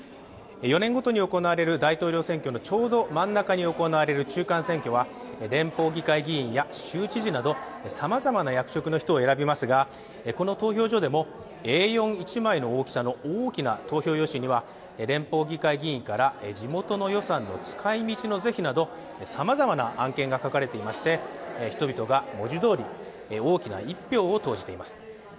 ４年ごとに行われる大統領選挙のちょうど真ん中に行われる中間選挙は連邦議会議員や州知事などさまざまな役職の人を選びますが、この投票所でもＡ４・１枚の大きな投票用紙からは、連邦議会議員から地元の予算の使い道の是非などさまざまな案件が書かれていまして、人々が文字どおり大きな一票を投じています。